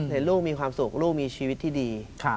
เห็นลูกมีความสุขลูกมีชีวิตที่ดี